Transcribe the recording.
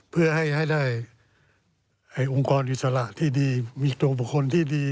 เพื่อให้ได้องค์กรอิสระที่ดีมีตัวบุคคลที่ดี